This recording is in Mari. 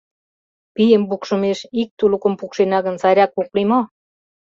Пийым пукшымеш, ик тулыкым пукшена гын, сайрак ок лий мо?